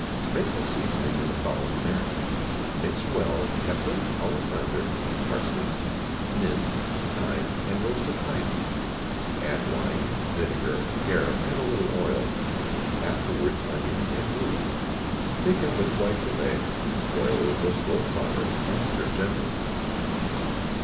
_ Make the seasoning in the following manner: mix well, pepper, alisander, parsley seed, mint, thyme, and roasted pine nuts; add wine, vinegar, garum, and a little oil; afterwards onions and rue; thicken with whites of eggs; boil over a slow fire, and stir gently.